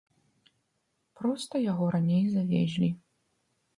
Проста яго раней завезлі.